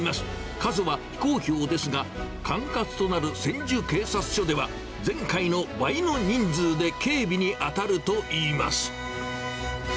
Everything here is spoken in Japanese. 数は非公表ですが、管轄となる千住警察署では、前回の倍の人数で警備に当たるといいます。